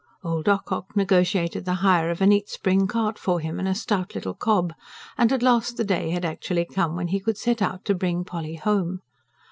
Old Ocock negotiated the hire of a neat spring cart for him, and a stout little cob; and at last the day had actually come, when he could set out to bring Polly home.